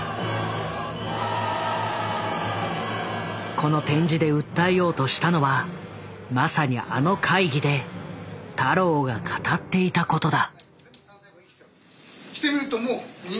この展示で訴えようとしたのはまさにあの会議で太郎が語っていたことだ。